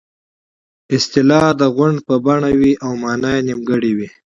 اصطلاح د غونډ په بڼه وي او مانا یې نیمګړې وي